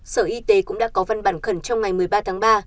sở y tế cũng đã có văn bản khẩn trong ngày một mươi ba tháng ba